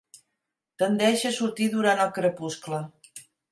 Tendeix a sortir durant el crepuscle.